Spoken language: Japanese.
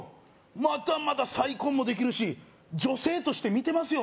まだまだ再婚もできるし女性として見てますよ